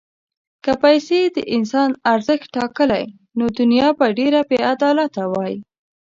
که پیسې د انسان ارزښت ټاکلی، نو دنیا به ډېره بېعدالته وای.